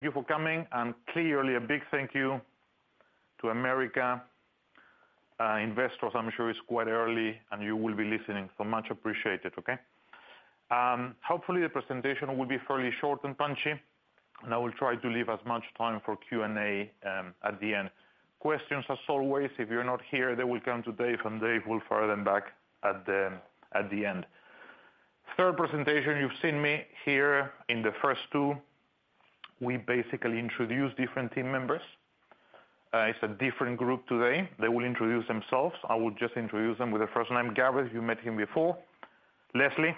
Thank you for coming, and clearly a big thank you to American investors. I'm sure it's quite early, and you will be listening, so much appreciated, okay? Hopefully, the presentation will be fairly short and punchy, and I will try to leave as much time for Q&A at the end. Questions, as always, if you're not here, they will come to Dave, and Dave will fire them back at the end. Third presentation, you've seen me here in the first two. We basically introduce different team members. It's a different group today. They will introduce themselves. I will just introduce them with the first name. Gareth, you've met him before, Lesley.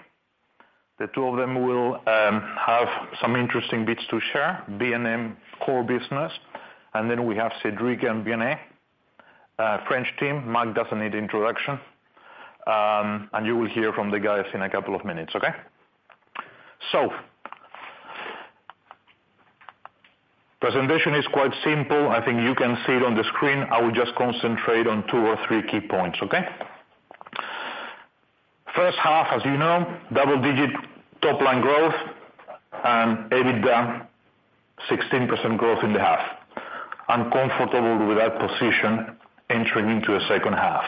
The two of them will have some interesting bits to share, B&M core business. And then we have Cédric and Vianney, French team. Mike doesn't need introduction. You will hear from the guys in a couple of minutes, okay? Presentation is quite simple. I think you can see it on the screen. I will just concentrate on two or three key points, okay? First half, as you know, double-digit top line growth and EBITDA 16% growth in the half, and comfortable with that position entering into a second half.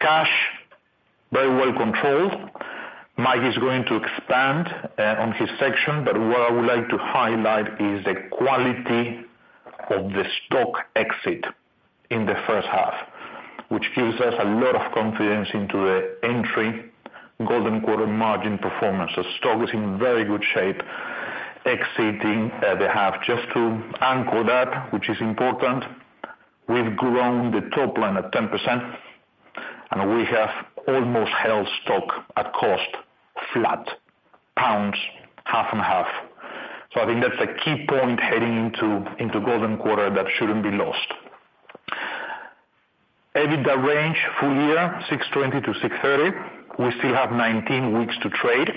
Cash, very well controlled. Mike is going to expand on his section, but what I would like to highlight is the quality of the stock exit in the first half, which gives us a lot of confidence into the entry Golden Quarter margin performance. Stock is in very good shape, exiting the half. Just to anchor that, which is important, we've grown the top line at 10%, and we have almost held stock at cost, flat, pounds, half and half. So I think that's a key point heading into, into Golden Quarter that shouldn't be lost. EBITDA range, full year, 620 million-630 million. We still have 19 weeks to trade.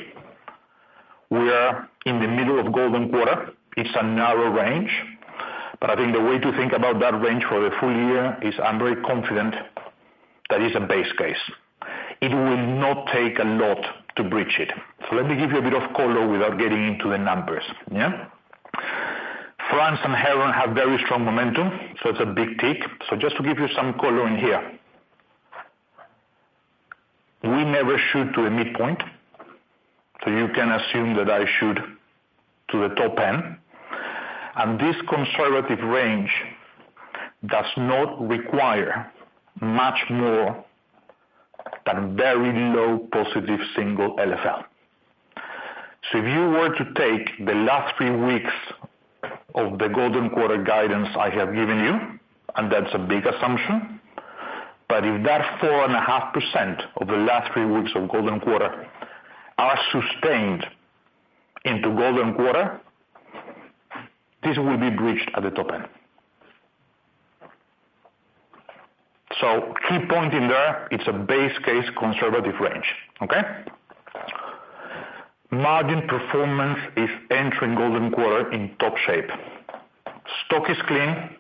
We are in the middle of Golden Quarter. It's a narrow range, but I think the way to think about that range for the full year is I'm very confident that is a base case. It will not take a lot to breach it. So let me give you a bit of color without getting into the numbers. Yeah? France and Heron have very strong momentum, so it's a big tick. Just to give you some color in here, we never shoot to a midpoint, so you can assume that I shoot to the top end. This conservative range does not require much more than very low, positive, single LFL. If you were to take the last three weeks of the Golden Quarter guidance I have given you, and that's a big assumption, but if that 4.5% of the last three weeks of Golden Quarter are sustained into Golden Quarter, this will be breached at the top end. Key point in there, it's a base case, conservative range, okay? Margin performance is entering Golden Quarter in top shape. Stock is clean,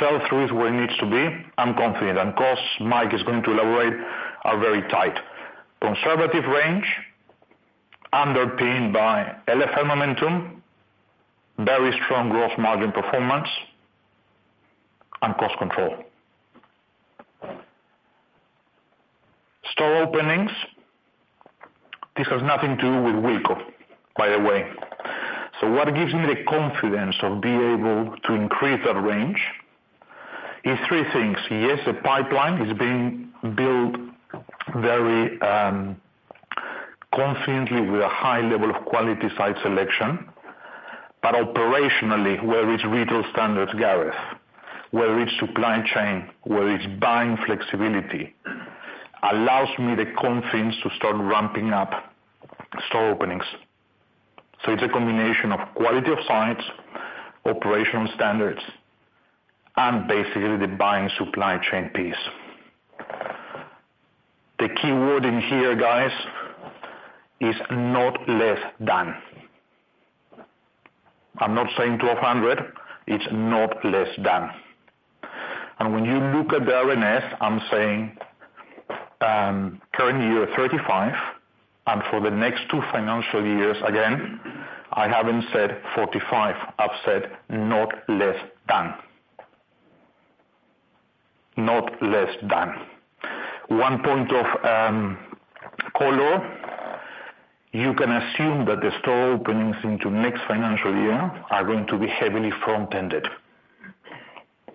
sell through is where it needs to be. I'm confident, and costs, Mike is going to elaborate, are very tight. Conservative range, underpinned by LFL momentum, very strong gross margin performance, and cost control. Store openings. This has nothing to do with Wilko, by the way. So what gives me the confidence of being able to increase that range? Is three things. Yes, the pipeline is being built very, confidently with a high level of quality site selection, but operationally, where is retail standards, Gareth? Where is supply chain, where is buying flexibility, allows me the confidence to start ramping up store openings. So it's a combination of quality of sites, operational standards, and basically the buying supply chain piece. The key word in here, guys, is not less than. I'm not saying 1,200, it's not less than. And when you look at the RNS, I'm saying, current year, 35, and for the next two financial years, again, I haven't said 45, I've said, not less than. Not less than. One point of color, you can assume that the store openings into next financial year are going to be heavily front-ended.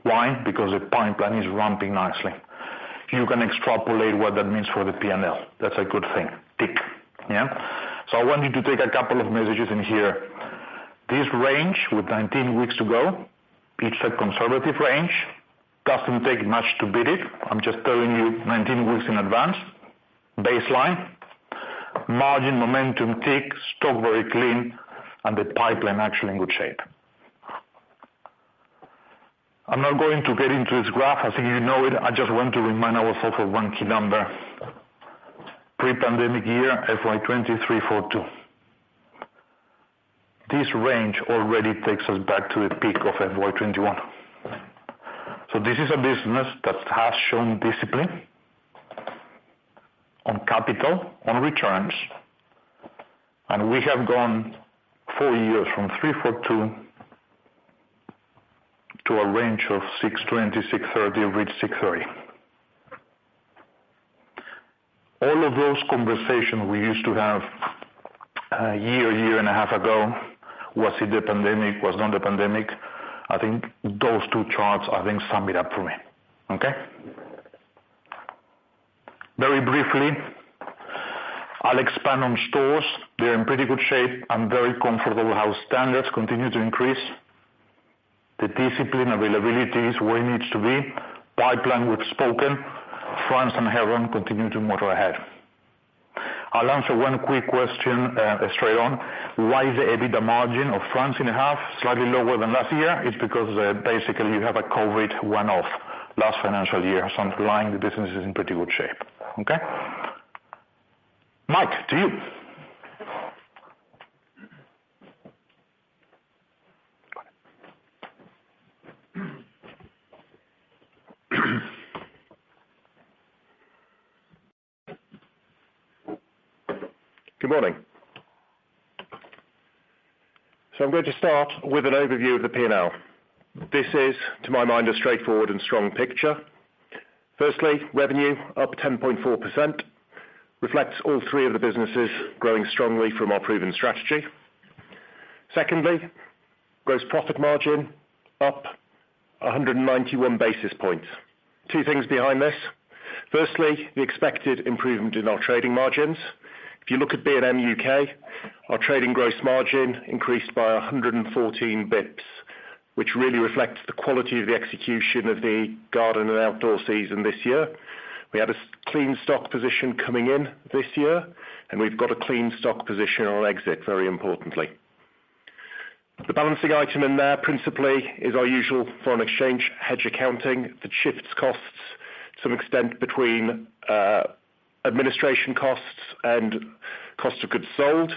Why? Because the pipeline is ramping nicely. You can extrapolate what that means for the P&L. That's a good thing. Tick. Yeah. So I want you to take a couple of messages in here. This range, with 19 weeks to go, it's a conservative range, doesn't take much to beat it. I'm just telling you, 19 weeks in advance, baseline, margin, momentum, tick, stock, very clean, and the pipeline actually in good shape. I'm not going to get into this graph. I think you know it. I just want to remind ourselves of one key number. Pre-pandemic year, FY 2023, 42. This range already takes us back to the peak of FY 2021. So this is a business that has shown discipline-... On capital, on returns, and we have gone four years from 3.42 to a range of 6.20-6.30; we've reached 6.3. All of those conversations we used to have, a year, year and a half ago, was it the pandemic, was not the pandemic? I think those two charts, I think, sum it up for me. Okay? Very briefly, I'll expand on stores. They're in pretty good shape. I'm very comfortable with how standards continue to increase. The discipline availability is where it needs to be. Pipeline, we've spoken. France and Heron continue to motor ahead. I'll answer one quick question, straight on. Why is the EBITDA margin of France in half, slightly lower than last year? It's because, basically, you have a COVID one-off last financial year, so underlying the business is in pretty good shape. Okay? Mike, to you. Good morning. I'm going to start with an overview of the P&L. This is, to my mind, a straightforward and strong picture. Firstly, revenue up 10.4%, reflects all three of the businesses growing strongly from our proven strategy. Secondly, gross profit margin up 191 basis points. Two things behind this: firstly, the expected improvement in our trading margins. If you look at B&M U.K., our trading gross margin increased by 114 basis points, which really reflects the quality of the execution of the garden and outdoor season this year. We had a clean stock position coming in this year, and we've got a clean stock position on exit, very importantly. The balancing item in there, principally, is our usual foreign exchange hedge accounting, that shifts costs to some extent between administration costs and cost of goods sold.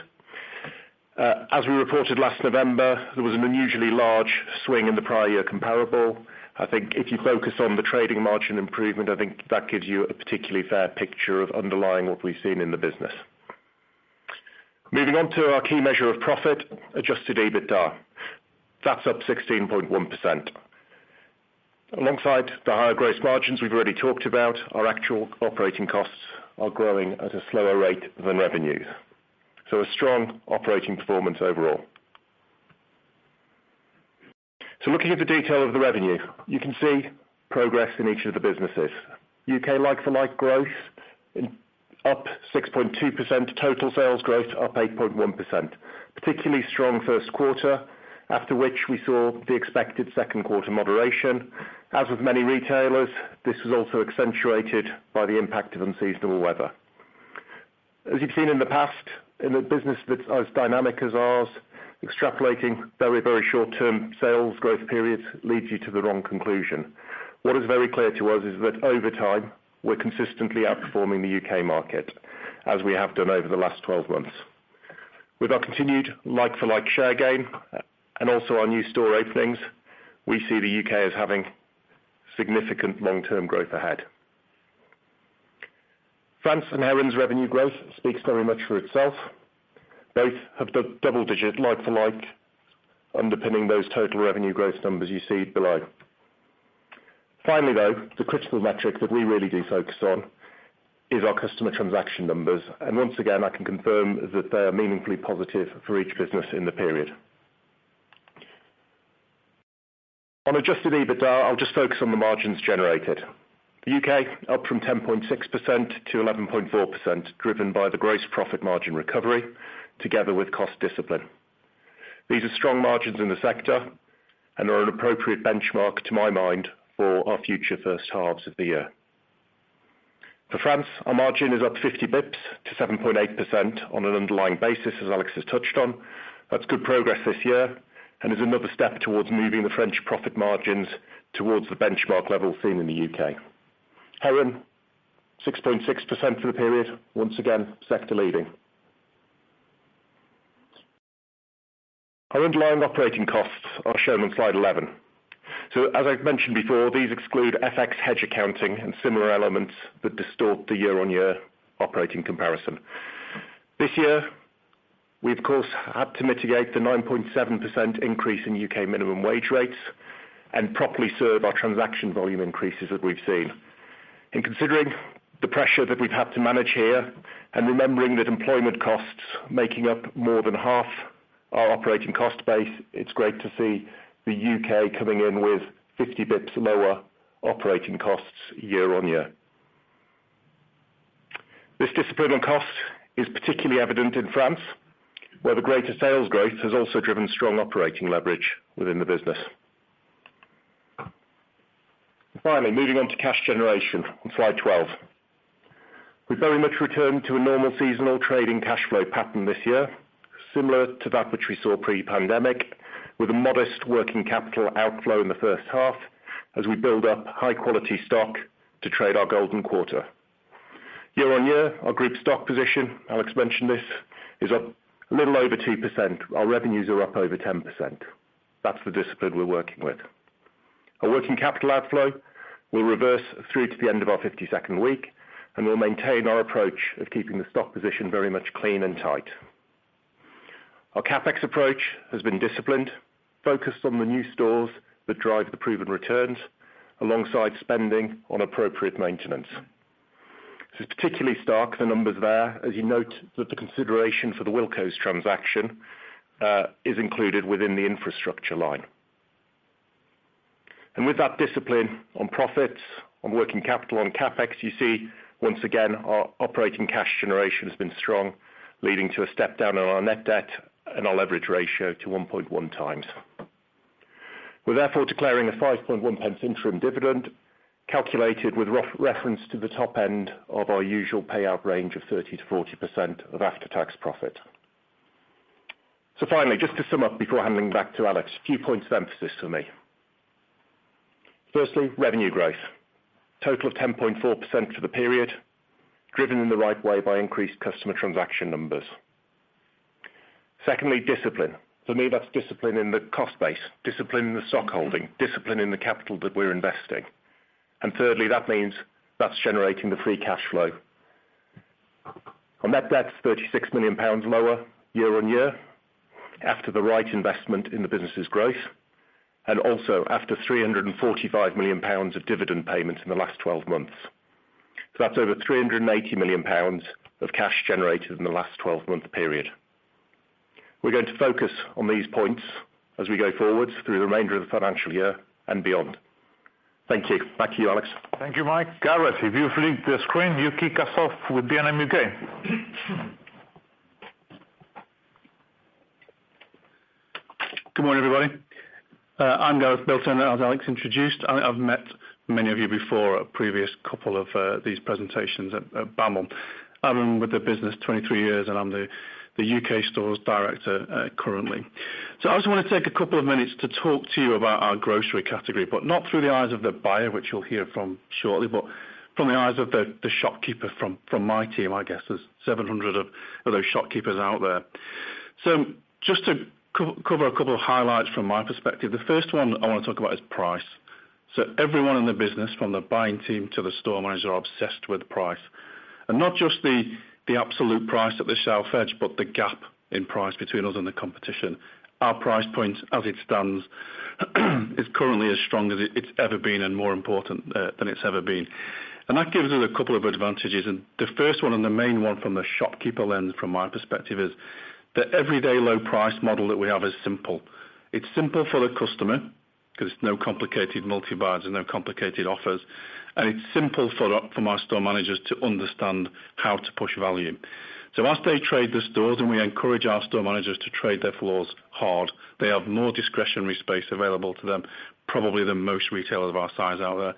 As we reported last November, there was an unusually large swing in the prior year comparable. I think if you focus on the trading margin improvement, I think that gives you a particularly fair picture of underlying what we've seen in the business. Moving on to our key measure of profit, adjusted EBITDA, that's up 16.1%. Alongside the higher gross margins we've already talked about, our actual operating costs are growing at a slower rate than revenues, so a strong operating performance overall. So looking at the detail of the revenue, you can see progress in each of the businesses. U.K. like-for-like growth, up 6.2%. Total sales growth up 8.1%. Particularly strong first quarter, after which we saw the expected second quarter moderation. As with many retailers, this was also accentuated by the impact of unseasonal weather. As you've seen in the past, in a business that's as dynamic as ours, extrapolating very, very short-term sales growth periods leads you to the wrong conclusion. What is very clear to us is that over time, we're consistently outperforming the U.K. market, as we have done over the last 12 months. With our continued like-for-like share gain and also our new store openings, we see the U.K. as having significant long-term growth ahead. France and Heron's revenue growth speaks very much for itself. Both have double-digit like-for-like, underpinning those total revenue growth numbers you see below. Finally, though, the critical metric that we really do focus on is our customer transaction numbers, and once again, I can confirm that they are meaningfully positive for each business in the period. On adjusted EBITDA, I'll just focus on the margins generated. The U.K., up from 10.6%-11.4%, driven by the gross profit margin recovery together with cost discipline. These are strong margins in the sector and are an appropriate benchmark, to my mind, for our future first halves of the year. For France, our margin is up 50 bips to 7.8% on an underlying basis, as Alex has touched on. That's good progress this year and is another step towards moving the French profit margins towards the benchmark level seen in the U.K. Heron, 6.6% for the period, once again, sector leading. Our underlying operating costs are shown on slide 11. So as I've mentioned before, these exclude FX hedge accounting and similar elements that distort the year-on-year operating comparison. This year, we of course, had to mitigate the 9.7% increase in U.K. minimum wage rates and properly serve our transaction volume increases that we've seen. In considering the pressure that we've had to manage here, and remembering that employment costs making up more than half our operating cost base, it's great to see the U.K. coming in with 50 bips lower operating costs year-on-year. This discipline on cost is particularly evident in France, where the greater sales growth has also driven strong operating leverage within the business. Finally, moving on to cash generation on slide 12. We very much returned to a normal seasonal trading cashflow pattern this year, similar to that which we saw pre-pandemic, with a modest working capital outflow in the first half as we build up high-quality stock to trade our Golden Quarter. Year on year, our group stock position, Alex mentioned this, is up a little over 2%. Our revenues are up over 10%. That's the discipline we're working with. Our working capital outflow will reverse through to the end of our 52nd week, and we'll maintain our approach of keeping the stock position very much clean and tight. Our CapEx approach has been disciplined, focused on the new stores that drive the proven returns, alongside spending on appropriate maintenance. This is particularly stark, the numbers there, as you note that the consideration for the Wilko transaction is included within the infrastructure line. With that discipline on profits, on working capital, on CapEx, you see once again, our operating cash generation has been strong, leading to a step down on our net debt and our leverage ratio to 1.1 times. We're therefore declaring a 5.1 pence interim dividend, calculated with reference to the top end of our usual payout range of 30%-40% of after-tax profit. Finally, just to sum up before handing back to Alex, a few points of emphasis for me. Firstly, revenue growth. Total of 10.4% for the period, driven in the right way by increased customer transaction numbers. Secondly, discipline. For me, that's discipline in the cost base, discipline in the stock holding, discipline in the capital that we're investing. And thirdly, that means that's generating the free cash flow. On net debt, GBP 36 million lower year-on-year, after the right investment in the business's growth, and also after 345 million pounds of dividend payments in the last twelve months. That's over 380 million pounds of cash generated in the last 12-month period. We're going to focus on these points as we go forward through the remainder of the financial year and beyond. Thank you. Back to you, Alex. Thank you, Mike. Gareth, if you flip the screen, you kick us off with B&M U.K. Good morning, everybody. I'm Gareth Bilton, as Alex introduced. I've met many of you before at previous couple of these presentations at B&M. I've been with the business 23 years, and I'm the UK Stores Director currently. So I just want to take a couple of minutes to talk to you about our grocery category, but not through the eyes of the buyer, which you'll hear from shortly, but from the eyes of the shopkeeper from my team. I guess there's 700 of those shopkeepers out there. So just to cover a couple of highlights from my perspective, the first one I want to talk about is price. So everyone in the business, from the buying team to the store manager, are obsessed with price. And not just the absolute price at the shelf edge, but the gap in price between us and the competition. Our price point, as it stands, is currently as strong as it's ever been and more important than it's ever been. And that gives us a couple of advantages. And the first one, and the main one from the shopkeeper lens, from my perspective, is the everyday low price model that we have is simple. It's simple for the customer because there's no complicated multi-buys and no complicated offers, and it's simple for, from our store managers to understand how to push value. So as they trade the stores, and we encourage our store managers to trade their floors hard, they have more discretionary space available to them, probably than most retailers of our size out there.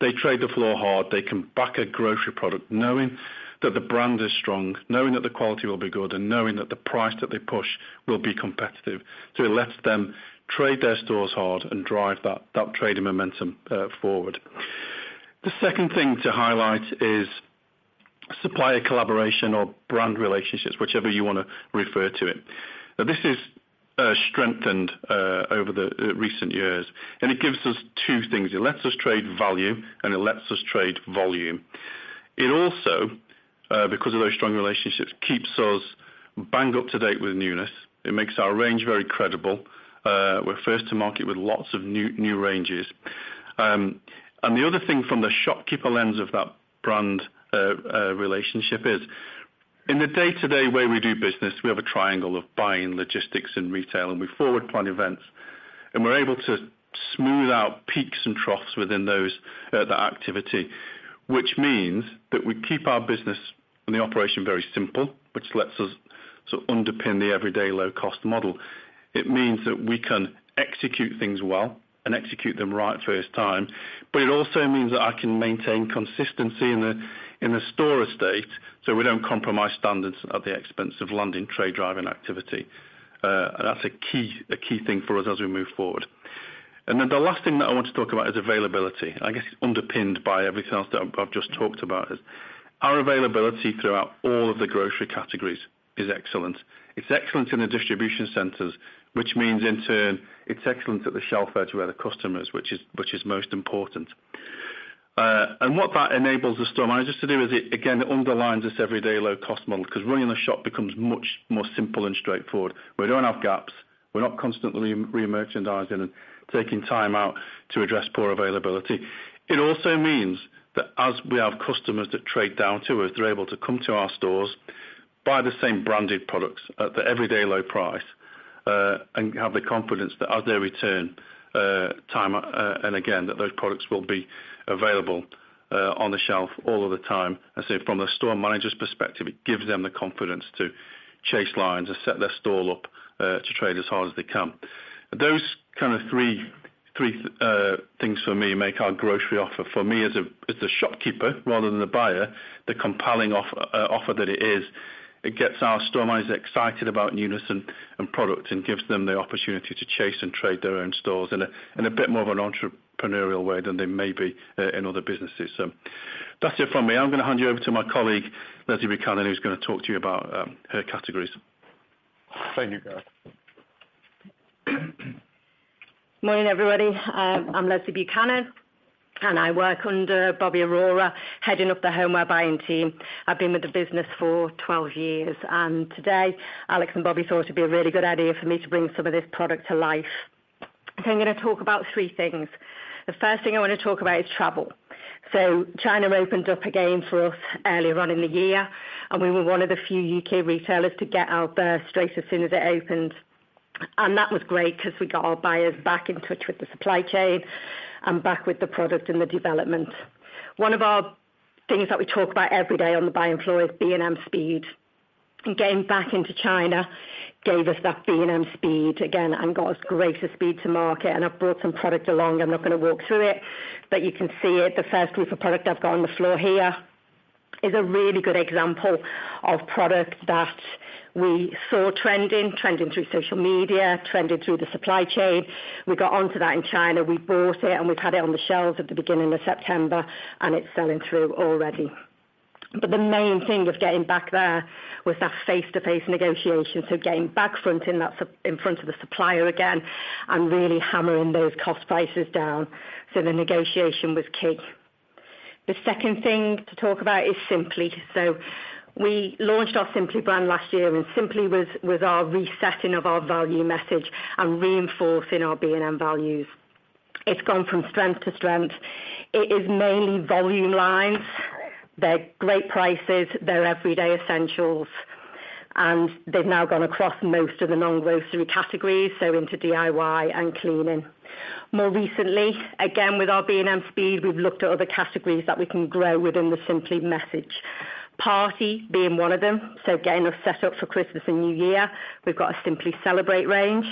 They trade the floor hard. They can back a grocery product knowing that the brand is strong, knowing that the quality will be good, and knowing that the price that they push will be competitive. So it lets them trade their stores hard and drive that trading momentum forward. The second thing to highlight is supplier collaboration or brand relationships, whichever you want to refer to it. But this is strengthened over the recent years, and it gives us two things: It lets us trade value, and it lets us trade volume. It also, because of those strong relationships, keeps us bang up to date with newness. It makes our range very credible. We're first to market with lots of new ranges. And the other thing from the shopkeeper lens of that brand, relationship is, in the day-to-day way we do business, we have a triangle of buying, logistics, and retail, and we forward plan events, and we're able to smooth out peaks and troughs within those, that activity, which means that we keep our business and the operation very simple, which lets us sort of underpin the everyday low-cost model. It means that we can execute things well and execute them right first time, but it also means that I can maintain consistency in the, in the store estate, so we don't compromise standards at the expense of landing trade-driving activity. And that's a key, a key thing for us as we move forward. And then the last thing that I want to talk about is availability. I guess it's underpinned by everything else that I've just talked about. Our availability throughout all of the grocery categories is excellent. It's excellent in the distribution centers, which means in turn, it's excellent at the shelf edge where the customer is, which is most important. And what that enables the store managers to do is, again, it underlines this everyday low-cost model, because running the shop becomes much more simple and straightforward. We don't have gaps. We're not constantly re-merchandising and taking time out to address poor availability. It also means that as we have customers that trade down to us, they're able to come to our stores, buy the same branded products at the everyday low price, and have the confidence that as they return, time and again, that those products will be available on the shelf all of the time. I say from the store manager's perspective, it gives them the confidence to chase lines and set their store up to trade as hard as they can. Those kind of three things for me make our grocery offer, for me as a shopkeeper rather than a buyer, the compelling offer that it is. It gets our store managers excited about newness and, and product, and gives them the opportunity to chase and trade their own stores in a, in a bit more of an entrepreneurial way than they may be in other businesses. So that's it from me. I'm going to hand you over to my colleague, Lesley Buchanan, who's going to talk to you about her categories.... Thank you, Gareth. Morning, everybody. I'm Lesley Buchanan, and I work under Bobby Arora, heading up the homeware buying team. I've been with the business for 12 years, and today, Alex and Bobby thought it'd be a really good idea for me to bring some of this product to life. So I'm gonna talk about three things. The first thing I wanna talk about is travel. So China opened up again for us earlier on in the year, and we were one of the few U.K. retailers to get out there straight as soon as it opened. That was great because we got our buyers back in touch with the supply chain and back with the product and the development. One of our things that we talk about every day on the buying floor is B&M speed, and getting back into China gave us that B&M speed again and got us greater speed to market. I've brought some product along. I'm not gonna walk through it, but you can see it. The first group of product I've got on the floor here is a really good example of product that we saw trending, trending through social media, trending through the supply chain. We got onto that in China. We bought it, and we've had it on the shelves at the beginning of September, and it's selling through already. But the main thing of getting back there was that face-to-face negotiation, so getting back in front of the supplier again and really hammering those cost prices down. So the negotiation was key. The second thing to talk about is Simply. So we launched our Simply brand last year, and Simply was, was our resetting of our value message and reinforcing our B&M values. It's gone from strength to strength. It is mainly volume lines. They're great prices, they're everyday essentials, and they've now gone across most of the non-grocery categories, so into DIY and cleaning. More recently, again, with our B&M speed, we've looked at other categories that we can grow within the Simply message, party being one of them, so getting us set up for Christmas and New Year. We've got a Simply Celebrate range.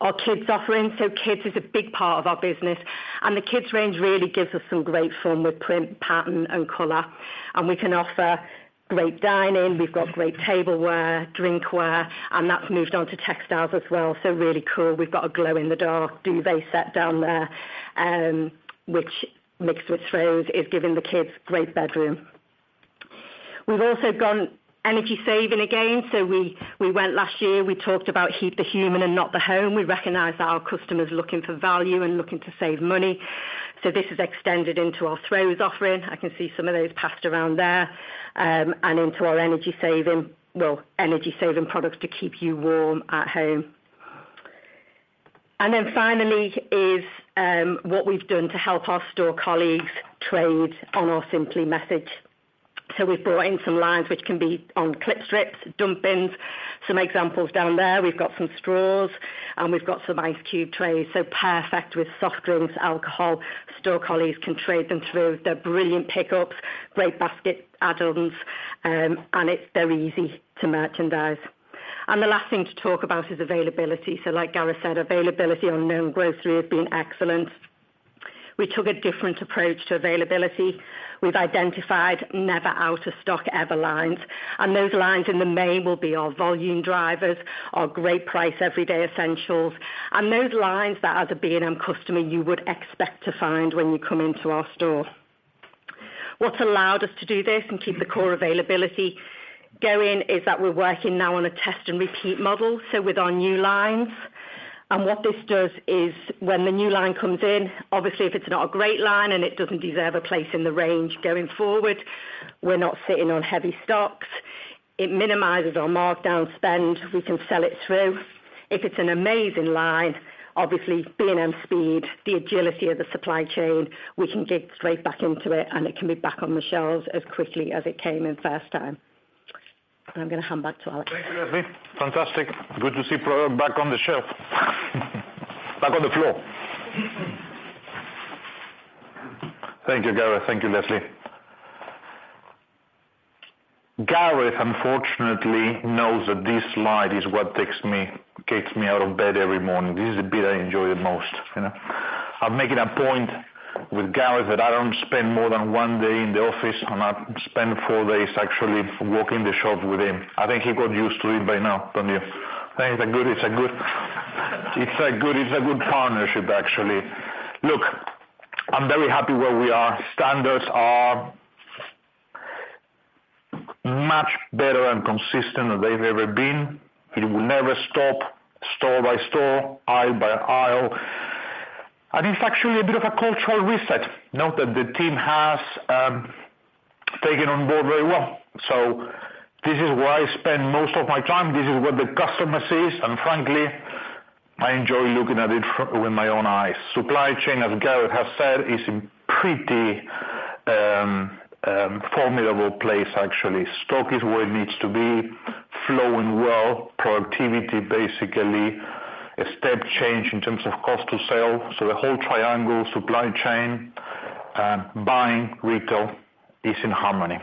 Our kids offering, so kids is a big part of our business, and the kids range really gives us some great fun with print, pattern, and color. And we can offer great dining. We've got great tableware, drinkware, and that's moved on to textiles as well, so really cool. We've got a glow-in-the-dark duvet set down there, which mixed with throws, is giving the kids great bedroom. We've also gone energy saving again. So we went last year. We talked about heat the human and not the home. We recognized that our customers are looking for value and looking to save money, so this is extended into our throws offering. I can see some of those passed around there, and into our energy-saving products to keep you warm at home. And then finally is what we've done to help our store colleagues trade on our Simply message. So we've brought in some lines which can be on clip strips, dump bins. Some examples down there, we've got some straws, and we've got some ice cube trays, so perfect with soft drinks, alcohol. Store colleagues can trade them through. They're brilliant pickups, great basket add-ons, and it's very easy to merchandise. The last thing to talk about is availability. Like Gareth said, availability on known grocery has been excellent. We took a different approach to availability. We've identified never out of stock ever lines, and those lines in the main will be our volume drivers, our great price everyday essentials, and those lines that as a B&M customer, you would expect to find when you come into our store. What allowed us to do this and keep the core availability going is that we're working now on a test and repeat model, so with our new lines. What this does is when the new line comes in, obviously, if it's not a great line and it doesn't deserve a place in the range going forward, we're not sitting on heavy stocks. It minimizes our markdown spend. We can sell it through. If it's an amazing line, obviously, B&M speed, the agility of the supply chain, we can get straight back into it, and it can be back on the shelves as quickly as it came in first time. I'm gonna hand back to Alex. Thank you, Lesley. Fantastic. Good to see product back on the shelf. Back on the floor. Thank you, Gareth. Thank you, Lesley. Gareth, unfortunately, knows that this slide is what takes me, gets me out of bed every morning. This is the bit I enjoy the most, you know? I'm making a point with Gareth that I don't spend more than one day in the office, and I spend four days actually walking the shop with him. I think he got used to it by now, don't you? I think it's a good, it's a good - it's a good, it's a good partnership, actually. Look, I'm very happy where we are. Standards are much better and consistent than they've ever been. It will never stop, store by store, aisle by aisle, and it's actually a bit of a cultural reset, note that the team has taken on board very well. So this is where I spend most of my time. This is what the customer sees, and frankly, I enjoy looking at it with my own eyes. Supply chain, as Gareth has said, is in pretty formidable place, actually. Stock is where it needs to be, flowing well, productivity, basically a step change in terms of cost to sale. So the whole triangle, supply chain and buying retail, is in harmony.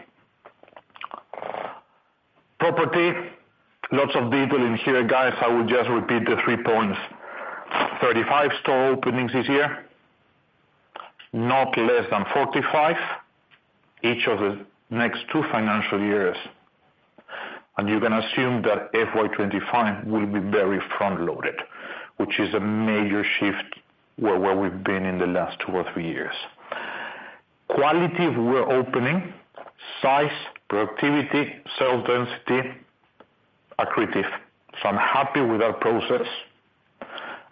Property, lots of detail in here, guys. I will just repeat the three points. 35 store openings this year, not less than 45, each of the next 2 financial years, and you can assume that FY 2025 will be very front loaded, which is a major shift where we've been in the last 2 or 3 years. Quality we're opening, size, productivity, sales density, are accretive. So I'm happy with our process,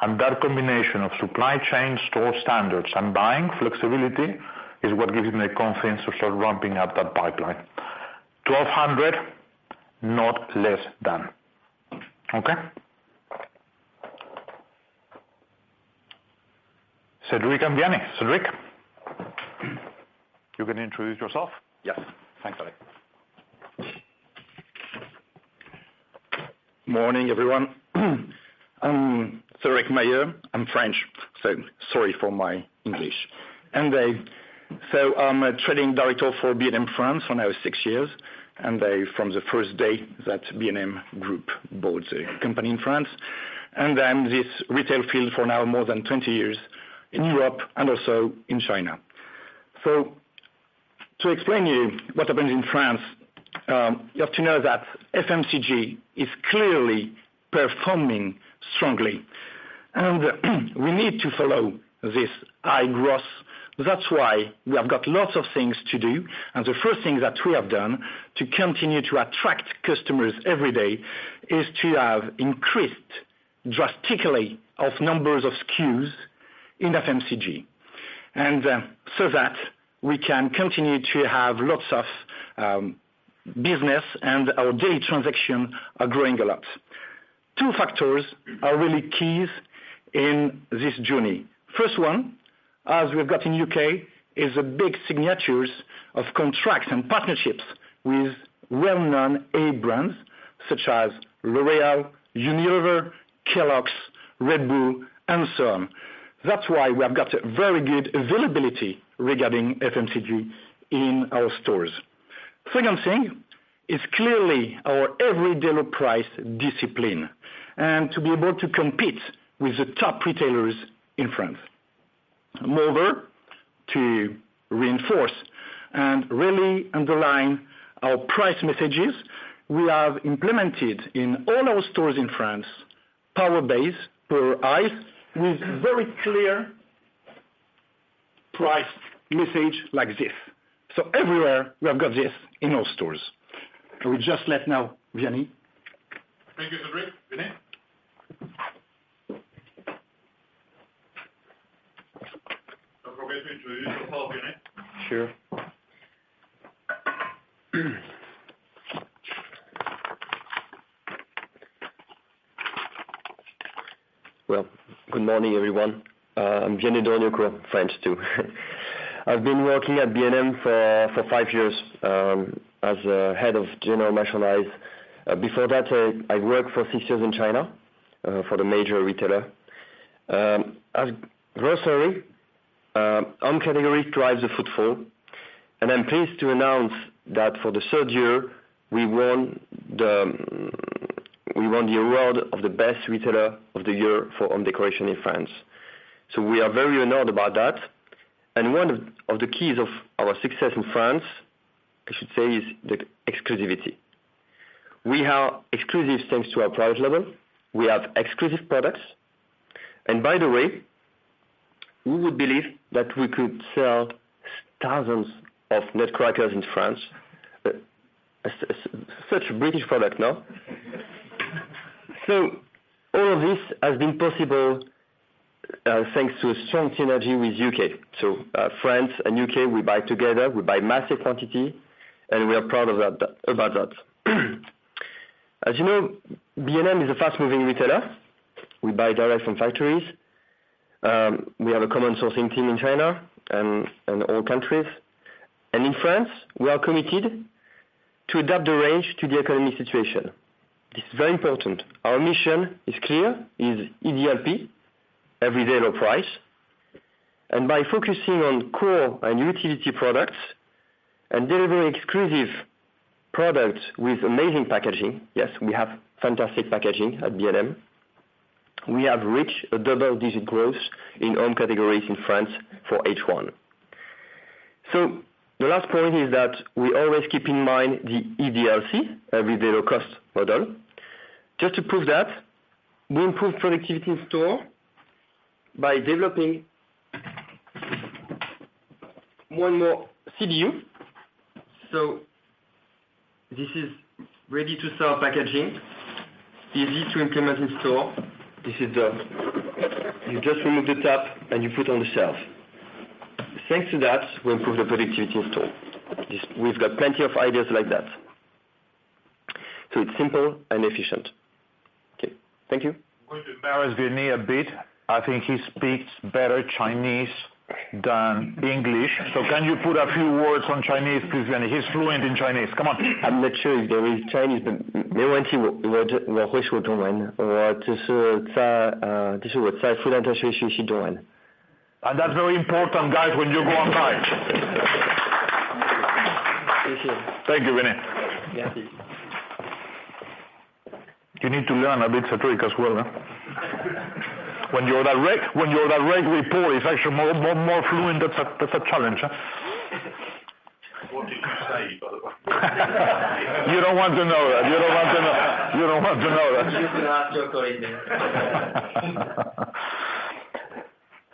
and that combination of supply chain, store standards, and buying flexibility is what gives me the confidence to start ramping up that pipeline. 1,200, not less than. Okay? Cédric and Vianney. Cédric, you're going to introduce yourself? Yes. Thanks, Ali. Morning, everyone. I'm Cédric Mahieu. I'm French, so sorry for my English. I'm a trading director for B&M France for now six years, and from the first day that B&M group bought the company in France, and then this retail field for now more than 20 years in Europe and also in China. So to explain to you what happens in France, you have to know that FMCG is clearly performing strongly, and we need to follow this high growth. That's why we have got lots of things to do, and the first thing that we have done to continue to attract customers every day is to have increased drastically of numbers of SKUs in FMCG. So that we can continue to have lots of business, and our daily transaction are growing a lot. Two factors are really keys in this journey. First one, as we've got in U.K., is the big signatures of contracts and partnerships with well-known A brands such as L'Oréal, Unilever, Kellogg's, Red Bull, and so on. That's why we have got a very good availability regarding FMCG in our stores. Second thing, is clearly our every day low price discipline, and to be able to compete with the top retailers in France. Moreover, to reinforce and really underline our price messages, we have implemented in all our stores in France, Power Bays per aisle, with very clear price message like this. So everywhere we have got this in our stores. I will just let now Vianney. Thank you, Cédric. Vianney? Don't forget to introduce yourself, Vianney. Sure. Well, good morning, everyone. I'm Vianney Dorgnaux, French, too. I've been working at B&M for five years as Head of General Merchandise. Before that, I worked for six years in China for a major retailer. As grocery home category drives the footfall, and I'm pleased to announce that for the third year, we won the award of the best retailer of the year for home decoration in France. So we are very honored about that. And one of the keys of our success in France, I should say, is the exclusivity. We have exclusive thanks to our private label, we have exclusive products, and by the way, we would believe that we could sell thousands of nutcrackers in France. Such a British product, no? So all of this has been possible, thanks to a strong synergy with U.K. So, France and U.K., we buy together, we buy massive quantity, and we are proud of that, about that. As you know, B&M is a fast-moving retailer. We buy direct from factories, we have a common sourcing team in China, and all countries. And in France, we are committed to adapt the range to the economic situation. This is very important. Our mission is clear, is EDLP, every day low price, and by focusing on core and utility products, and delivering exclusive products with amazing packaging, yes, we have fantastic packaging at B&M, we have reached a double-digit growth in home categories in France for H1. So the last point is that we always keep in mind the EDLC, every day low cost model. Just to prove that, we improved productivity in store by developing more and more CDU. So this is ready-to-sell packaging, easy to implement in store. This is the... You just remove the top, and you put on the shelf. Thanks to that, we improve the productivity in store. This—we've got plenty of ideas like that. So it's simple and efficient. Okay. Thank you. I'm going to embarrass Vianney a bit. I think he speaks better Chinese than English. So can you put a few words on Chinese, please, Vianney? He's fluent in Chinese. Come on. I'm not sure if there is Chinese, but Thank you, Vianney. Merci. You need to learn a bit, Cédric, as well, huh? When your direct report is actually more fluent, that's a challenge, huh?... What did you say, by the way? You don't want to know that. You don't want to know. You don't want to know that. You do not joke with it.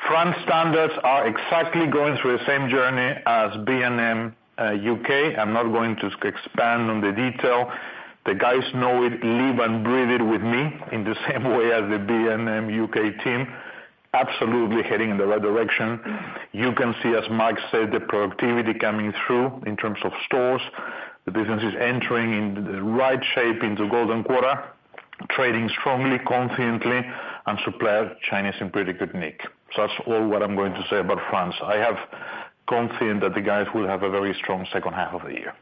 French standards are exactly going through the same journey as B&M U.K. I'm not going to expand on the detail. The guys know it, live, and breathe it with me, in the same way as the B&M UK team. Absolutely heading in the right direction. You can see, as Mike said, the productivity coming through in terms of stores. The business is entering in the right shape into Golden Quarter, trading strongly, confidently, and supply chain is in pretty good nick. So that's all what I'm going to say about France. I'm confident that the guys will have a very strong second half of the year.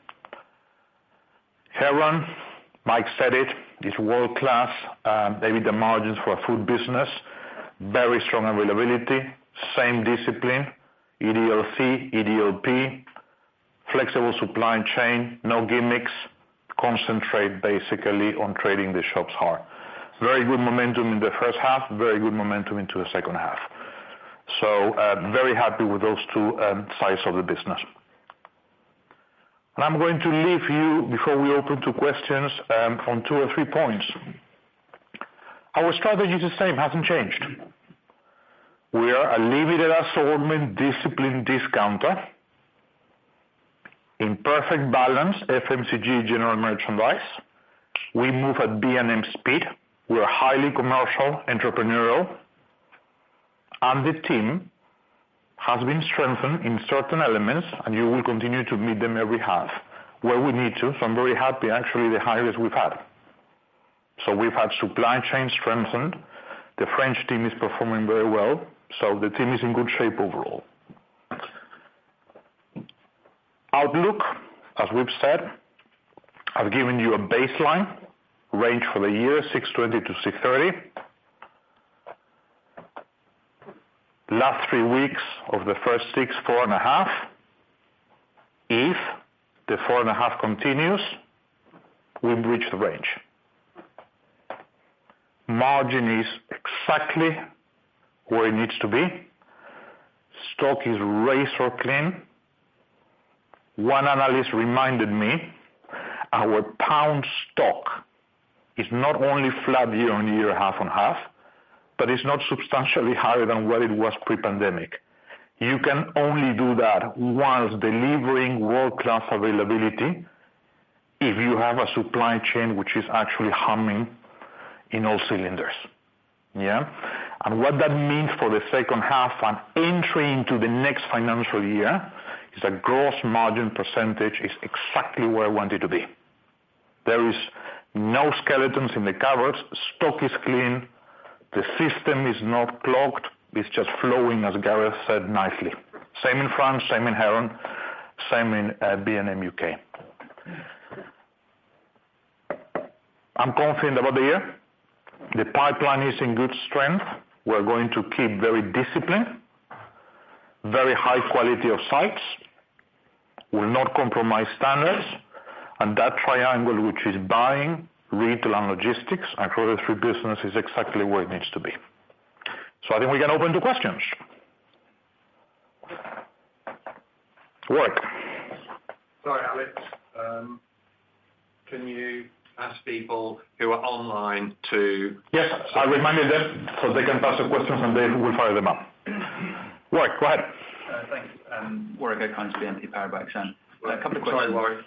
Heron, Mike said it, is world-class, maybe the margins for a food business, very strong availability, same discipline, EDLC, EDLP, flexible supply chain, no gimmicks, concentrate basically on trading the shops hard. Very good momentum in the first half, very good momentum into the second half. So, very happy with those two, sides of the business. And I'm going to leave you, before we open to questions, on two or three points. Our strategy is the same, hasn't changed. We are a limited assortment discipline discounter. In perfect balance, FMCG, general merchandise. We move at B&M speed. We're highly commercial, entrepreneurial, and the team has been strengthened in certain elements, and you will continue to meet them every half where we need to. So I'm very happy, actually, the hires we've had. So we've had supply chain strengthened. The French team is performing very well, so the team is in good shape overall. Outlook, as we've said, I've given you a baseline range for the year, 620-630. Last 3 weeks of the first six, 4.5. If the 4.5 continues, we'll reach the range. Margin is exactly where it needs to be. Stock is razor clean. One analyst reminded me, our pound stock is not only flat year on year, half on half, but it's not substantially higher than what it was pre-pandemic. You can only do that whilst delivering world-class availability, if you have a supply chain, which is actually humming in all cylinders. Yeah? And what that means for the second half and entry into the next financial year, is a gross margin percentage is exactly where I want it to be. There is no skeletons in the cupboards. Stock is clean. The system is not clogged. It's just flowing, as Gareth said nicely. Same in France, same in Heron, same in B&M U.K. I'm confident about the year. The pipeline is in good strength. We're going to keep very disciplined, very high quality of sites. We'll not compromise standards, and that triangle, which is buying, retail, and logistics, across the three businesses, is exactly where it needs to be. So I think we can open to questions. Warwick? Sorry, Alex, can you ask people who are online to- Yes, I reminded them, so they can pass the questions, and then we'll fire them up. Warwick, go ahead. Thanks. Warwick Okines, BNP Paribas Exane. A couple of questions. Sorry, Warwick.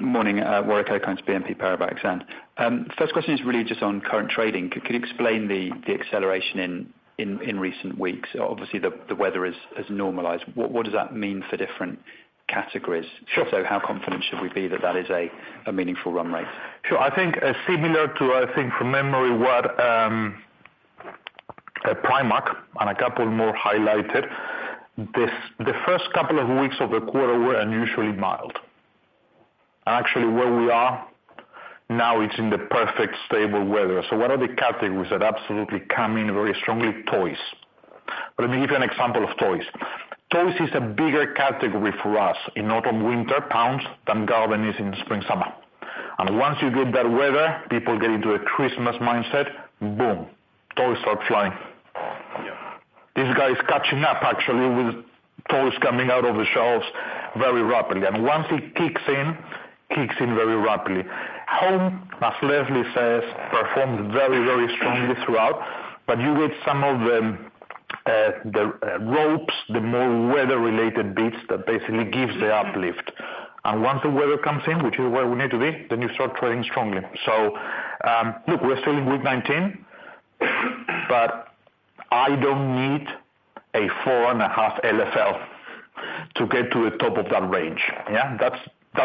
Morning, Warwick Okines, BNP Paribas Exane. First question is really just on current trading. Could you explain the acceleration in recent weeks? Obviously, the weather is normalized. What does that mean for different categories? Sure. So how confident should we be that that is a meaningful run rate? Sure. I think, similar to, I think from memory, what, Primark and a couple more highlighted, this, the first couple of weeks of the quarter were unusually mild. Actually, where we are now, it's in the perfect stable weather. So what are the categories that absolutely come in very strongly? Toys. Let me give you an example of toys. Toys is a bigger category for us in autumn, winter, pounds, than garden is in spring, summer. And once you get that weather, people get into a Christmas mindset, boom, toys start flying. This guy is catching up, actually, with toys coming out of the shelves very rapidly, and once it kicks in, kicks in very rapidly. Home, as Lesley says, performed very, very strongly throughout, but you get some of the, the, ropes, the more weather-related bits that basically gives the uplift. Once the weather comes in, which is where we need to be, then you start trading strongly. So, look, we're still in week 19, but I don't need a 4.5 LFL to get to the top of that range. Yeah, that's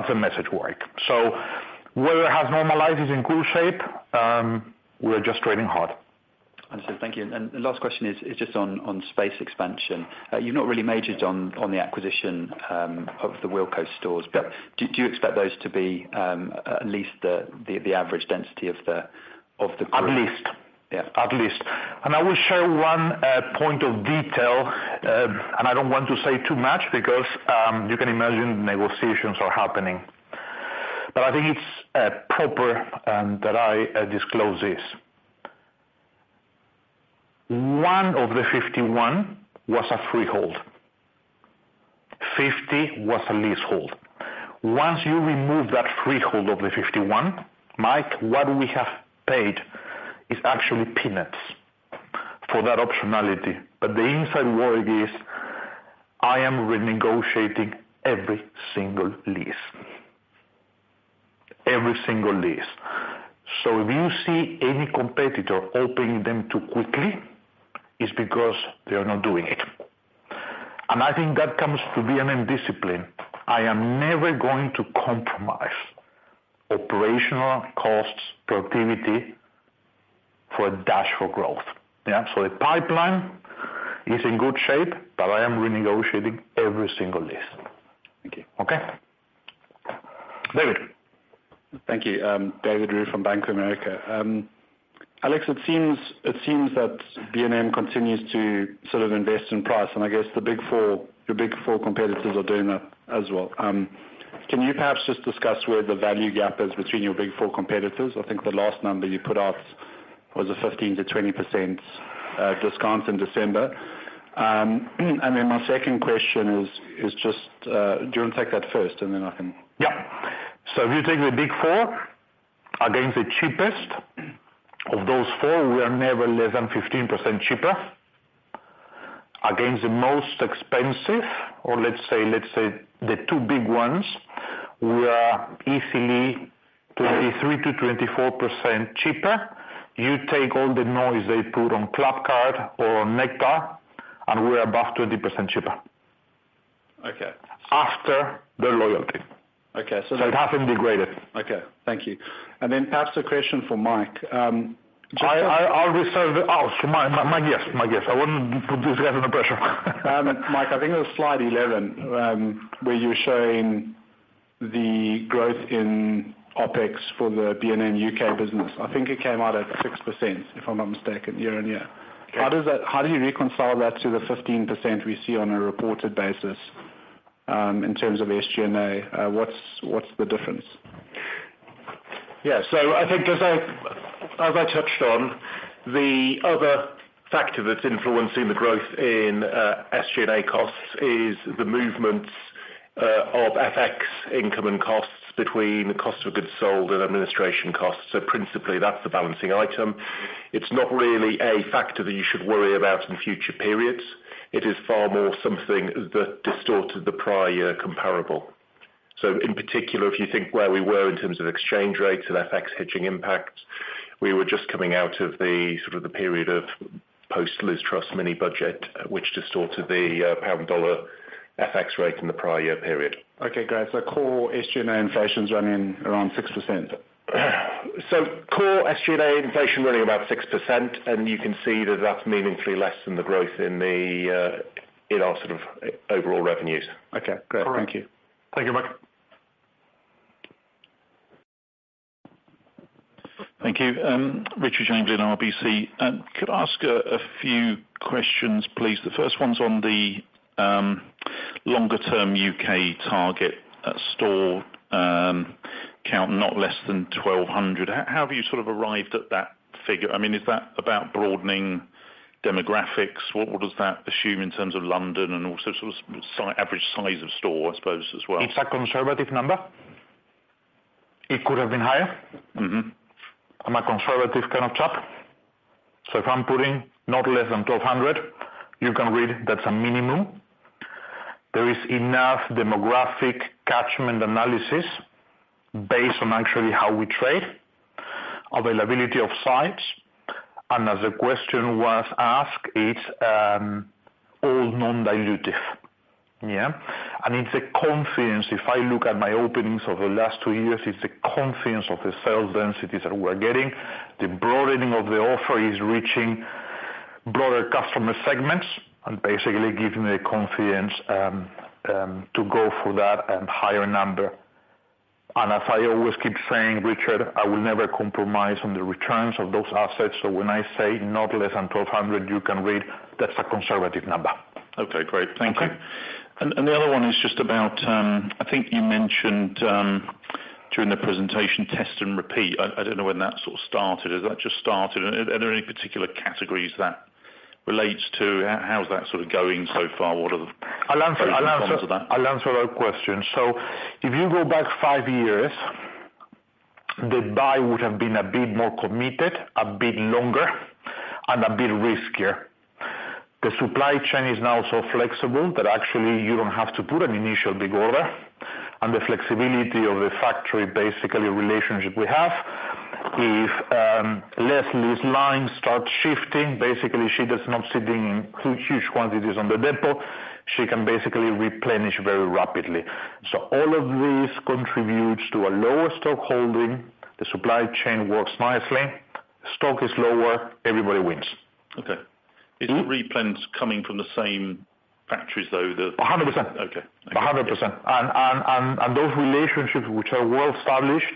the message, Warwick. So weather has normalized, it's in good shape, we're just trading hard. Understood. Thank you. And the last question is just on space expansion. You've not really majored on the acquisition of the Wilko stores, but do you expect those to be at least the average density of the group? At least. Yeah. At least. And I will share one point of detail, and I don't want to say too much because you can imagine negotiations are happening.... But I think it's proper that I disclose this. One of the 51 was a freehold. 50 was a leasehold. Once you remove that freehold of the 51, Mike, what we have paid is actually peanuts for that optionality. But the inside word is, I am renegotiating every single lease. Every single lease. So if you see any competitor opening them too quickly, it's because they are not doing it. And I think that comes to B&M discipline. I am never going to compromise operational costs, productivity, for a dash for growth. Yeah, so the pipeline is in good shape, but I am renegotiating every single lease. Thank you. Okay? David. Thank you. David Sheridan from Bank of America. Alex, it seems that B&M continues to sort of invest in price, and I guess the big four, your big four competitors are doing that as well. Can you perhaps just discuss where the value gap is between your big four competitors? I think the last number you put out was a 15%-20% discount in December. And then my second question is just— Do you want to take that first, and then I can- Yeah. So if you take the big four, against the cheapest of those four, we are never less than 15% cheaper. Against the most expensive, or let's say, let's say the two big ones, we are easily 23%-24% cheaper. You take all the noise they put on Clubcard or Nectar, and we are above 20% cheaper. Okay. After the loyalty. Okay, so- It hasn't degraded. Okay. Thank you. And then perhaps a question for Mike. Just- I'll reserve the... Oh, Mike, yes. Mike, yes. I wouldn't put this guy under pressure. Mike, I think it was slide 11, where you were showing the growth in OpEx for the B&M U.K. business. I think it came out at 6%, if I'm not mistaken, year-on-year. Okay. How do you reconcile that to the 15% we see on a reported basis in terms of SG&A? What's the difference? Yeah, so I think as I, as I touched on, the other factor that's influencing the growth in SG&A costs is the movements of FX income and costs between the cost of goods sold and administration costs. So principally, that's the balancing item. It's not really a factor that you should worry about in future periods. It is far more something that distorted the prior year comparable. So in particular, if you think where we were in terms of exchange rates and FX hedging impacts, we were just coming out of the sort of period of post Liz Truss mini budget, which distorted the pound-dollar FX rate in the prior year period. Okay, great. So core SG&A inflation's running around 6%? Core SG&A inflation running about 6%, and you can see that that's meaningfully less than the growth in the, in our sort of, overall revenues. Okay, great. Thank you. Thank you, Mike. Thank you. Richard Sheridan, RBC. Could I ask a few questions, please? The first one's on the longer term U.K. target store count not less than 1,200. How have you sort of arrived at that figure? I mean, is that about broadening demographics? What does that assume in terms of London and also sort of average size of store, I suppose, as well? It's a conservative number. It could have been higher. Mm-hmm. I'm a conservative kind of chap. So if I'm putting not less than 1,200, you can read that's a minimum. There is enough demographic catchment analysis based on actually how we trade, availability of sites, and as the question was asked, it's all non-dilutive. Yeah? And it's a confidence, if I look at my openings over the last two years, it's the confidence of the sales densities that we are getting. The broadening of the offer is reaching broader customer segments, and basically giving me confidence to go for that higher number. And as I always keep saying, Richard, I will never compromise on the returns of those assets. So when I say not less than 1,200, you can read that's a conservative number. Okay, great. Thank you. Okay. The other one is just about, I think you mentioned during the presentation, test and repeat. I don't know when that sort of started. Has that just started? Are there any particular categories that relates to? How's that sort of going so far? What are the- I'll answer. components of that? I'll answer both questions. So if you go back five years, the buy would have been a bit more committed, a bit longer, and a bit riskier. The supply chain is now so flexible that actually you don't have to put an initial big order, and the flexibility of the factory basically relationship we have, if less loose lines start shifting, basically she does not sit in huge quantities on the depot. She can basically replenish very rapidly. So all of this contributes to a lower stock holding, the supply chain works nicely, stock is lower, everybody wins. Okay. Mm-hmm. Is the replens coming from the same factories, though, the- 100%. Okay. 100%. And those relationships, which are well established,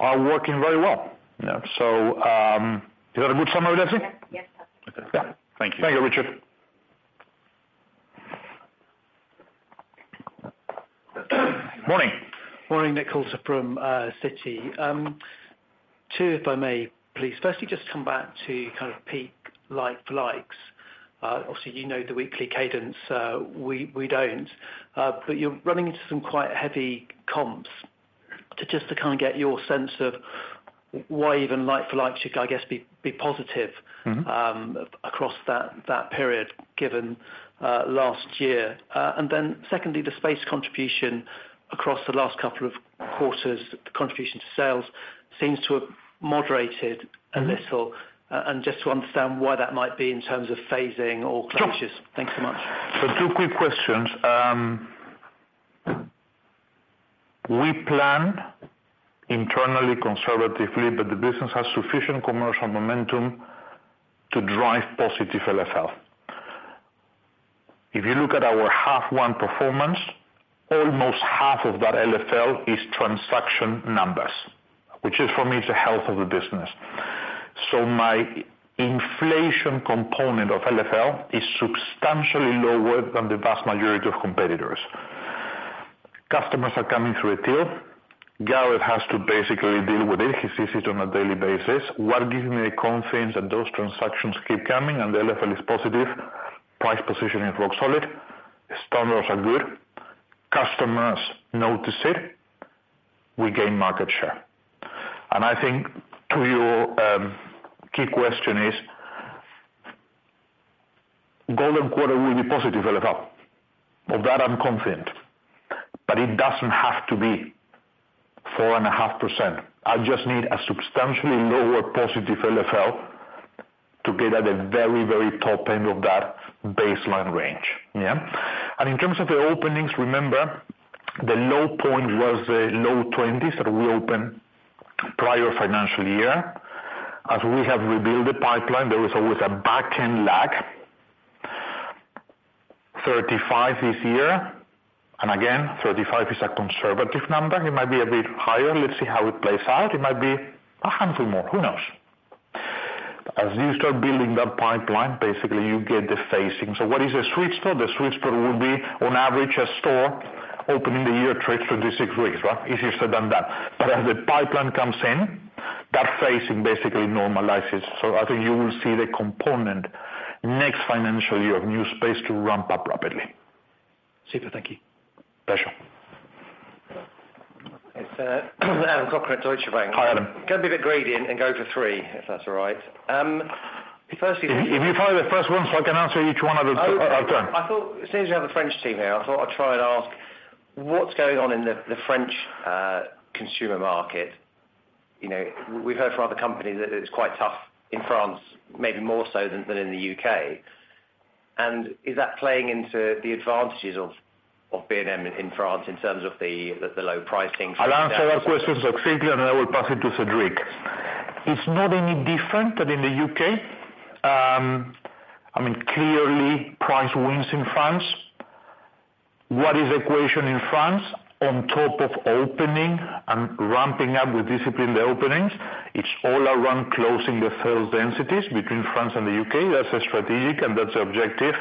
are working very well. You know, so, is that a good summary, Betsy? Yes. Yes, sir. Okay. Yeah. Thank you. Thank you, Richard. Morning. Morning, Nick Sheridan from Citi. Two, if I may, please. Firstly, just come back to kind of peak like for likes. Obviously, you know the weekly cadence, we don't. But you're running into some quite heavy comps. To just to kind of get your sense of why even like for likes should, I guess, be positive- Mm-hmm... across that period, given last year. And then secondly, the space contribution across the last couple of quarters, the contribution to sales seems to have moderated a little. Mm-hmm. Just to understand why that might be in terms of phasing or closures? Sure. Thanks so much. So two quick questions. We plan internally, conservatively, but the business has sufficient commercial momentum to drive positive LFL. If you look at our half one performance, almost half of that LFL is transaction numbers, which is, for me, the health of the business. So my inflation component of LFL is substantially lower than the vast majority of competitors. Customers are coming through a till. Gareth has to basically deal with it. He sees it on a daily basis. What gives me the confidence that those transactions keep coming and the LFL is positive? Price positioning is rock solid. Standards are good. Customers notice it. We gain market share. And I think to your key question is, Golden Quarter will be positive LFL. Of that, I'm confident, but it doesn't have to be 4.5%. I just need a substantially lower positive LFL to get at the very, very top end of that baseline range. Yeah? And in terms of the openings, remember, the low point was the low 20s that we opened prior financial year. As we have rebuilt the pipeline, there was always a backend lag. 35 this year, and again, 35 is a conservative number. It might be a bit higher. Let's see how it plays out. It might be 100 more, who knows? As you start building that pipeline, basically you get the phasing. So what is a sweet store? The sweet store will be, on average, a store opening the year trade 36 weeks, right? Easier said than done. But as the pipeline comes in, that phasing basically normalizes. So I think you will see the component next financial year of new space to ramp up rapidly. Super. Thank you. Pleasure. It's Adam Cochrane, Deutsche Bank. Hi, Adam. Gonna be a bit greedy and go for three, if that's all right. Firstly- If you try the first one, so I can answer each one of them. Okay. I thought, since you have the French team here, I thought I'd try and ask: What's going on in the French consumer market? You know, we've heard from other companies that it's quite tough in France, maybe more so than in the U.K. And is that playing into the advantages of B&M in France in terms of the low pricing? I'll answer that question succinctly, and then I will pass it to Cédric. It's not any different than in the U.K. I mean, clearly, price wins in France. What is the equation in France on top of opening and ramping up with discipline the openings? It's all around closing the sales densities between France and the U.K. That's a strategic, and that's the objective.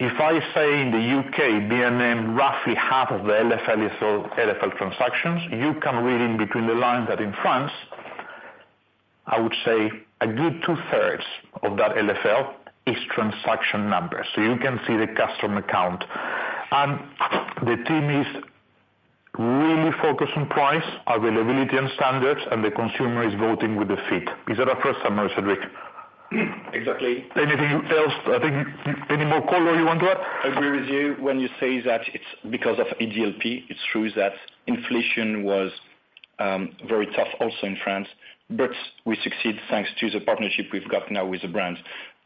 If I say in the U.K., B&M, roughly half of the LFL is all LFL transactions, you can read in between the lines that in France, I would say a good two-thirds of that LFL is transaction numbers, so you can see the customer count. And the team is really focused on price, availability, and standards, and the consumer is voting with the feet. Is that a fair summary, Cédric? Exactly. Anything else? I think, any more color you want to add? I agree with you when you say that it's because of EDLP. It's true that inflation was very tough also in France, but we succeed, thanks to the partnership we've got now with the brands,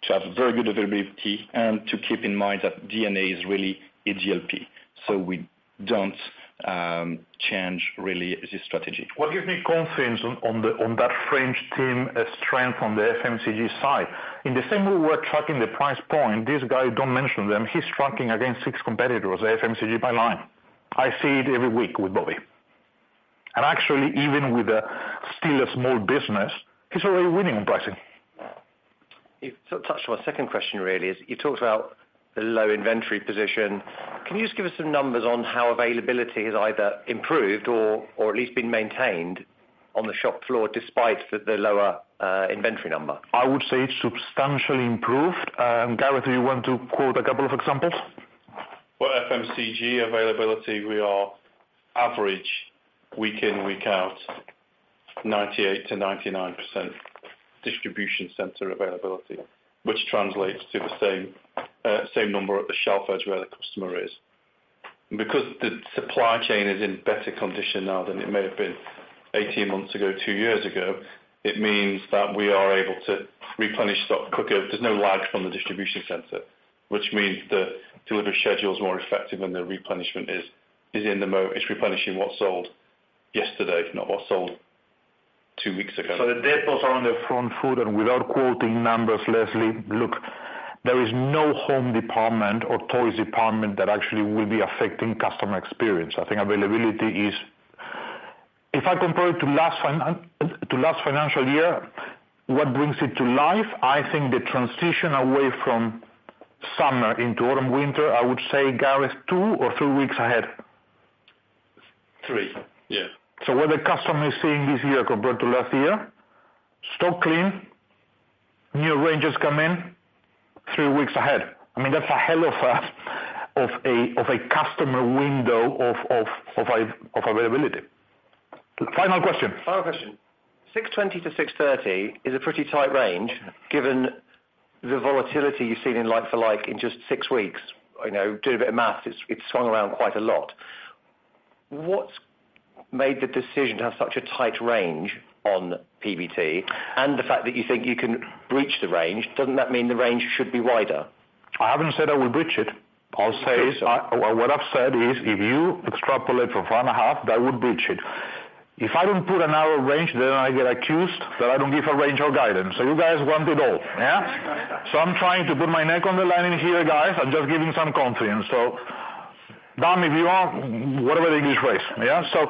to have very good availability and to keep in mind that DNA is really EDLP, so we don't change really the strategy. What gives me confidence on that French team, a strength on the FMCG side, in the same way we're tracking the price point. This guy, don't mention them, he's tracking against six competitors, FMCG by line. I see it every week with Bobby. And actually, even with still a small business, he's already winning on pricing. You've so touched on my second question. Really is, you talked about the low inventory position. Can you just give us some numbers on how availability has either improved or at least been maintained on the shop floor despite the lower inventory number? I would say it's substantially improved. Gareth, do you want to quote a couple of examples? For FMCG availability, we are average, week in, week out, 98%-99% distribution center availability, which translates to the same, same number at the shelf edge where the customer is. Because the supply chain is in better condition now than it may have been 18 months ago, two years ago, it means that we are able to replenish stock quicker. There's no lag from the distribution center, which means the delivery schedule is more effective than the replenishment is. It's replenishing what sold yesterday, not what sold two weeks ago. So the depots are on the front foot, and without quoting numbers, Leslie, look, there is no home department or toys department that actually will be affecting customer experience. I think availability is. If I compare it to last financial year, what brings it to life? I think the transition away from summer into autumn, winter, I would say, Gareth, two or three weeks ahead. Three, yeah. So what the customer is seeing this year compared to last year, stock clean, new ranges come in three weeks ahead. I mean, that's a hell of a customer window of availability. Final question. Final question. 620-630 is a pretty tight range, given the volatility you've seen in like-for-like in just 6 weeks. You know, doing a bit of math, it's, it's swung around quite a lot. What's made the decision to have such a tight range on PBT? And the fact that you think you can breach the range, doesn't that mean the range should be wider? I haven't said I will breach it. I'll say, so I— What I've said is, if you extrapolate for 4.5, that would breach it. If I don't put a narrow range, then I get accused that I don't give a range of guidance. So you guys want it all, yeah? So I'm trying to put my neck on the line in here, guys, and just giving some confidence. So Dan, if you are, whatever the English phrase, yeah? So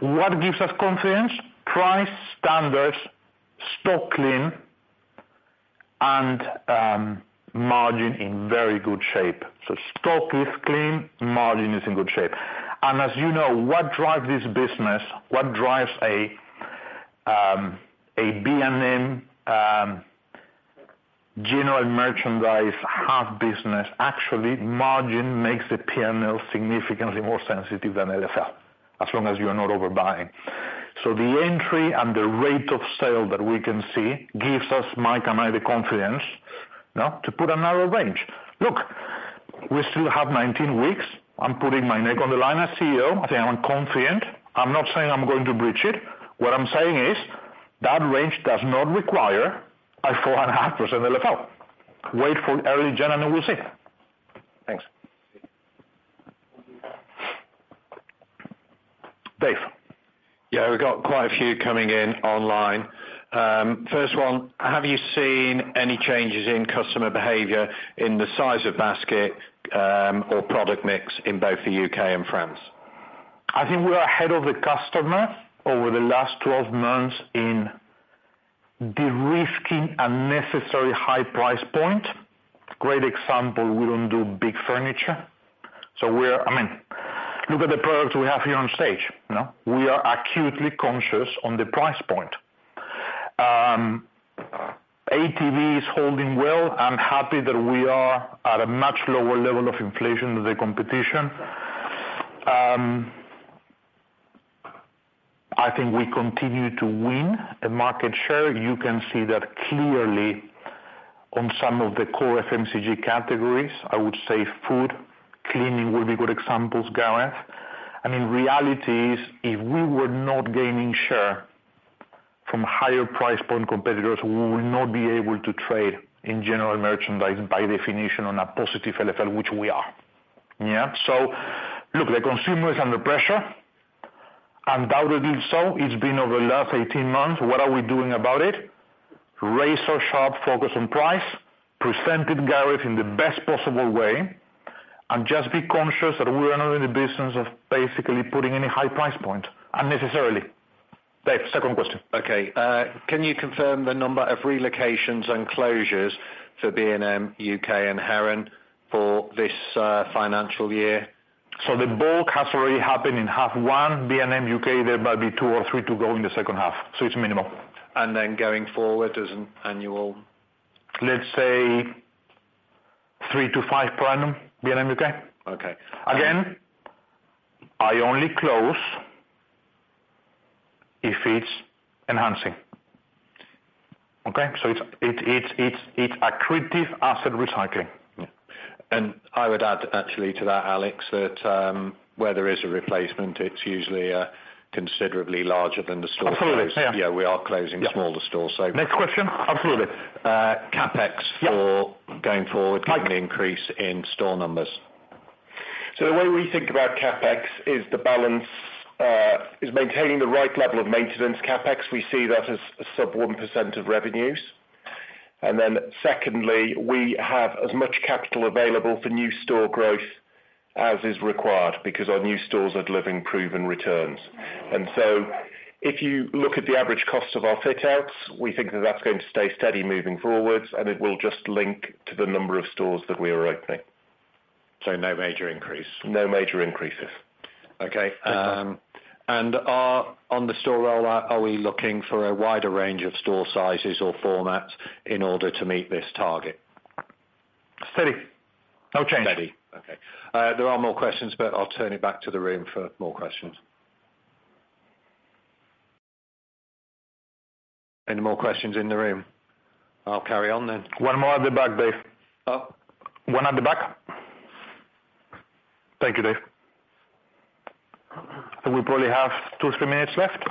what gives us confidence? Price, standards, stock clean, and margin in very good shape. So stock is clean, margin is in good shape. And as you know, what drives this business, what drives a, a B&M, general merchandise half business, actually, margin makes the P&L significantly more sensitive than LFL, as long as you are not overbuying. So the entry and the rate of sale that we can see gives us, Mike and I, the confidence, now, to put a narrow range. Look, we still have 19 weeks. I'm putting my neck on the line as CEO. I think I'm confident. I'm not saying I'm going to breach it. What I'm saying is, that range does not require a 4.5% LFL. Wait for early January, and we'll see. Thanks. Dave? Yeah, we've got quite a few coming in online. First one: Have you seen any changes in customer behavior in the size of basket, or product mix in both the U.K. and France? I think we are ahead of the customer over the last 12 months in de-risking unnecessary high price point. Great example, we don't do big furniture. So we're... I mean, look at the products we have here on stage, you know? We are acutely conscious on the price point. ATV is holding well. I'm happy that we are at a much lower level of inflation than the competition. I think we continue to win the market share. You can see that clearly on some of the core FMCG categories. I would say food, cleaning would be good examples, Gareth. And in reality is, if we were not gaining share from higher price point competitors, we will not be able to trade in general merchandise, by definition, on a positive LFL, which we are. Yeah? So look, the consumer is under pressure, undoubtedly so. It's been over the last 18 months. What are we doing about it? Razor-sharp focus on price, present it, Gareth, in the best possible way, and just be conscious that we are not in the business of basically putting any high price point unnecessarily. Dave, second question. Okay, can you confirm the number of relocations and closures for B&M U.K. and Heron for this financial year? The bulk has already happened in half one, B&M U.K. There might be two or three to go in the second half, so it's minimal. And then going forward as an annual? Let's say 3-5 per annum, B&M U.K. Okay. Again, I only close if it's enhancing. Okay? So it's accretive asset recycling. I would add actually to that, Alex, that where there is a replacement, it's usually considerably larger than the store closing. Absolutely, yeah. Yeah, we are closing smaller stores, so. Next question. Absolutely. CapEx for going forward, give an increase in store numbers. So the way we think about CapEx is the balance is maintaining the right level of maintenance CapEx. We see that as a sub 1% of revenues. And then secondly, we have as much capital available for new store growth as is required, because our new stores are delivering proven returns. And so if you look at the average cost of our fit outs, we think that that's going to stay steady moving forward, and it will just link to the number of stores that we are opening. So no major increase? No major increases. Okay. On the store rollout, are we looking for a wider range of store sizes or formats in order to meet this target? Steady. No change. Steady. Okay. There are more questions, but I'll turn it back to the room for more questions. Any more questions in the room? I'll carry on then. One more at the back, Dave. Oh. One at the back. Thank you, Dave. We probably have two, three minutes left.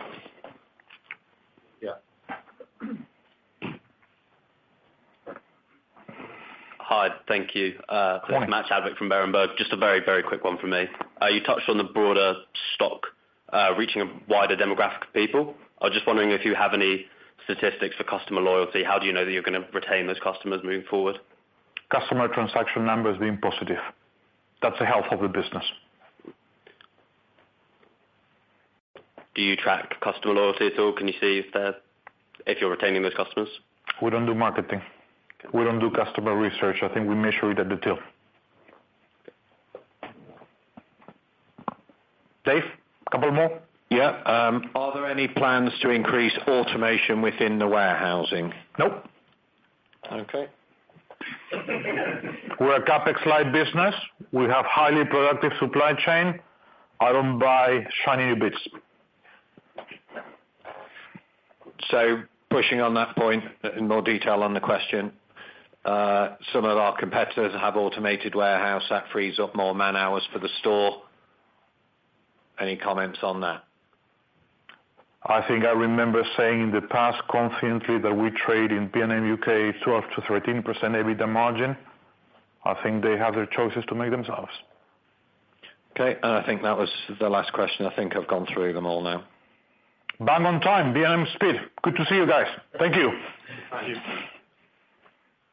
Yeah. Hi, thank you. Hi. Matt Chadwick from Berenberg. Just a very, very quick one from me. You touched on the broader stock, reaching a wider demographic of people. I was just wondering if you have any statistics for customer loyalty. How do you know that you're going to retain those customers moving forward? Customer transaction numbers being positive. That's the health of the business. Do you track customer loyalty at all? Can you see if you're retaining those customers? We don't do marketing. We don't do customer research. I think we measure it at the till. Dave, couple more? Yeah. Are there any plans to increase automation within the warehousing? Nope. Okay. We're a CapEx light business. We have highly productive supply chain. I don't buy shiny new bits. So pushing on that point, in more detail on the question, some of our competitors have automated warehouse. That frees up more man-hours for the store. Any comments on that? I think I remember saying in the past confidently that we trade in B&M U.K. 12%-13% EBITDA margin. I think they have their choices to make themselves. Okay, and I think that was the last question. I think I've gone through them all now. Bang on time, B&M speed. Good to see you guys. Thank you. Thank you.